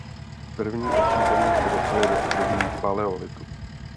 První osídlení se datuje do období paleolitu.